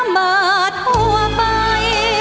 โปรดติดตามต่อไป